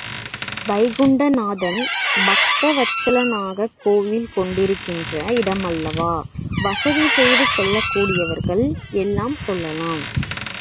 வைகுண்டநாதன் பக்தவத்சலனாகக் கோயில் கொண்டிருக்கின்ற இடமல்லவா, வசதி செய்து கொள்ளக் கூடியவர்கள் எல்லாம் செல்லலாம்.